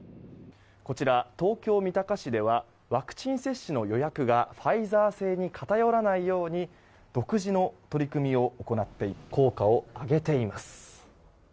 こちら東京・三鷹市ではワクチン接種の予約がファイザー製に偏らないように独自の取り組みを行って効果を上げています。